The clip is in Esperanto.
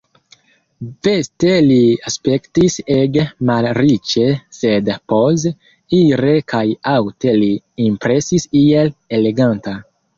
Veste li aspektis ege malriĉe, sed poze, ire kaj aŭte li impresis iel eleganta.